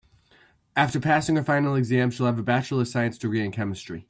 After passing her final exam she will have a bachelor of science degree in chemistry.